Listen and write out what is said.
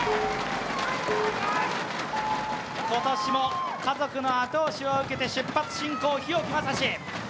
今年も家族の後押しを受けて出発進行、日置将士。